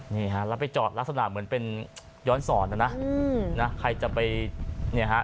นี่ฮะแล้วไปจอดลักษณะเหมือนเป็นย้อนสอนนะนะใครจะไปเนี่ยฮะ